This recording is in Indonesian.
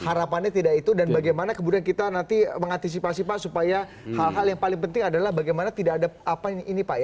harapannya tidak itu dan bagaimana kemudian kita nanti mengantisipasi pak supaya hal hal yang paling penting adalah bagaimana tidak ada apa ini pak ya